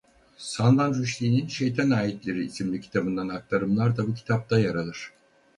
Salman Rüşdi'nin "Şeytan Ayetleri" isimli kitabından aktarımlar da bu kitapta yer alır.